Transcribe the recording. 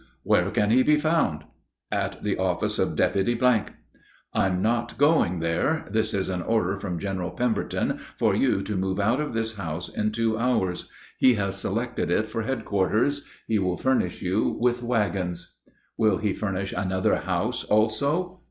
"Where can he be found?" "At the office of Deputy ." "I'm not going there. This is an order from General Pemberton for you to move out of this house in two hours. He has selected it for headquarters. He will furnish you with wagons." "Will he furnish another house also?"